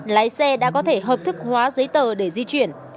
lái xe đã có thể hợp thức hóa giấy tờ để di chuyển